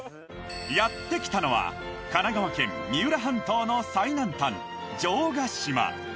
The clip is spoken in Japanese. やって来たのは神奈川県三浦半島の最南端城ヶ島